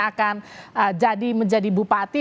akan jadi menjadi bupati